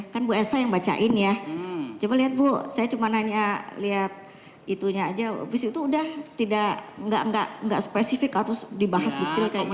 kan bu elsa yang bacain ya coba lihat bu saya cuma nanya lihat itunya aja habis itu udah tidak spesifik harus dibahas detail kayaknya